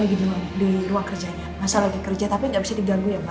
lagi di ruang kerjanya masa lagi kerja tapi gak bisa diganggu ya ma